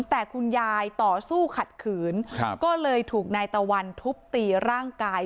แต่คุณยายต่อสู้ขัดขืนก็เลยถูกนายตะวันทุบตีร่างกาย